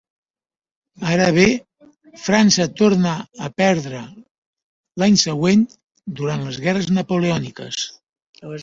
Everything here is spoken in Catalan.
Ara bé, França tornà a perdre'l l'any següent durant les guerres napoleòniques.